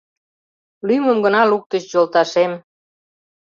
Лӱмым гына луктыч, йолташем.